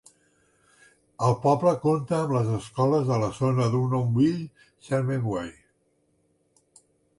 El poble compta amb les escoles de la zona d'Unionville-Sebewaing.